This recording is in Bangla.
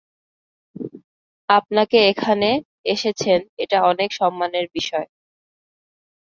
আপনাকে এখানে এসেছেন, এটা অনেক সম্মানের বিষয়।